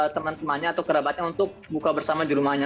teman temannya atau kerabatnya untuk buka bersama di rumahnya